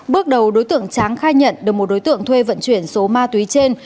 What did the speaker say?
bước đầu đối tượng tráng khai nhận được một đối tượng thuê vận chuyển số ma túy trên